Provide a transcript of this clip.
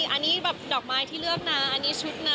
อันนี้แบบดอกไม้ที่เลือกนะอันนี้ชุดนะ